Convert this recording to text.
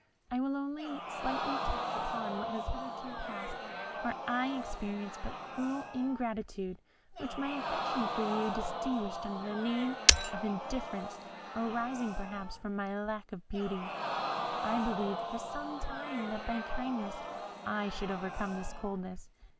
I will only slightly touch upon what has hitherto passed, for I experienced but cruel ingratitude, which my affection for you disguised under the name of indifference, arising, perhaps, from my lack of beauty. I believed for some time that by kindness I should overcome this coldness.